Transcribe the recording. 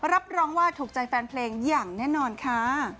รับรองว่าถูกใจแฟนเพลงอย่างแน่นอนค่ะ